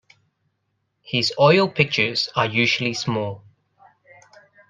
His oil pictures are usually small.